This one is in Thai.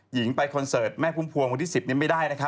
หญิงไปคอนเสิร์ตแม่ภูมิภวงวันที่๑๐ไม่ได้นะคะ